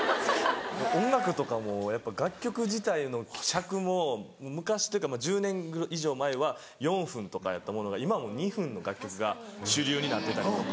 音楽とかも楽曲自体の尺も昔っていうか１０年以上前は４分とかやったものが今はもう２分の楽曲が主流になってたりとか。